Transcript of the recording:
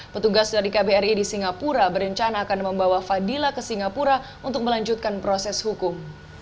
petugas dari kbri di singapura berencana akan membawa fadila ke singapura untuk melanjutkan proses hukum